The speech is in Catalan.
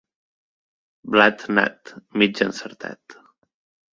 Blat nat, mig encertat.